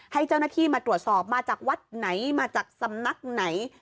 ให้เจ้าหน้าที่มาตรวจสอบมาจากวัดไหนมาจากสำนักไหน